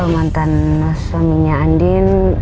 mantan suaminya andin